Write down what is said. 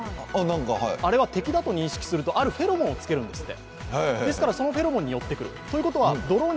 あれは敵だと認識するとフェロモンをつけるんですって。